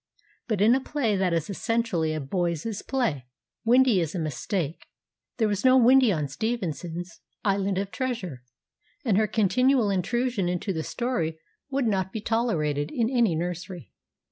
But in a play that is essentially a boys' play Wendy is a mis take. There was no Wendy on Stevenson's island of treasure, and her continual intru sion into the story would not be tolerated CHILDREN'S DRAMA 223 in any nursery.